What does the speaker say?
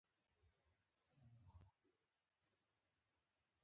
د پلورنځي کارکوونکي باید له پیرودونکو سره ښه چلند وکړي.